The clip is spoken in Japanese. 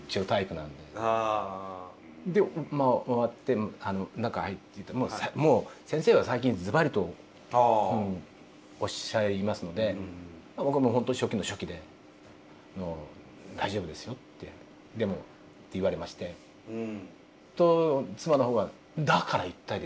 でまあ終わって中入ってもう先生は最近ズバリとおっしゃいますので僕はもうほんとに初期の初期で「大丈夫ですよ」って言われましてと妻の方が「だから言ったでしょ！